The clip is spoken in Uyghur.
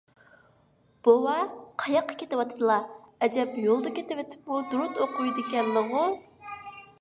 بوۋا، قاياققا كېتىۋاتىدىلا؟ ئەجەب يولدا كېتىۋېتىپمۇ دۇرۇت ئوقۇيدىكەنلىغۇ؟